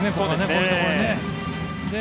こういうところで。